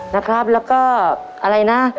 แล้วก็อะไรนะ